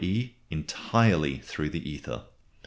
e._ entirely through the ether.